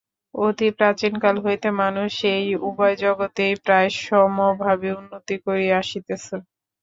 অতি প্রাচীনকাল হইতেই মানুষ এই উভয় জগতেই প্রায় সমভাবে উন্নতি করিয়া আসিতেছে।